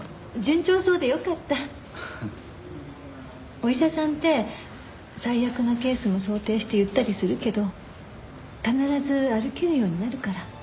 お医者さんって最悪なケースを想定して言ったりするけど必ず歩けるようになるから。